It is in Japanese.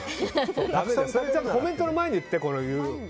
コメントの前に言って。